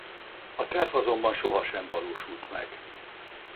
A terv azonban sohasem valósult meg.